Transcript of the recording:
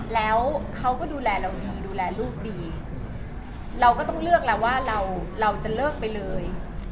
แล้วเขาก็ดูแลเราดีดูแลลูกดีเราก็ต้องเลือกแล้วว่าเราเราจะเลิกไปเลย